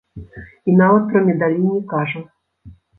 І нават пра медалі не кажа.